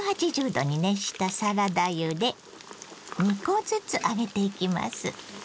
℃に熱したサラダ油で２コずつ揚げていきます。